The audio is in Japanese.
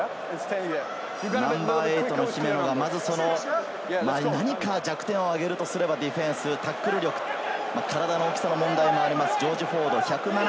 ナンバー８の姫野が何か弱点を挙げるとすればディフェンス、タックル力、体の大きさの問題もあります